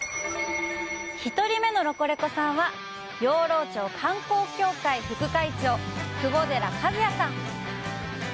１人目のロコレコさんは、養老町観光協会・副会長、久保寺和哉さん。